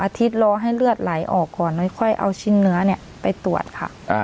อาทิตย์รอให้เลือดไหลออกก่อนแล้วค่อยเอาชิ้นเนื้อเนี่ยไปตรวจค่ะ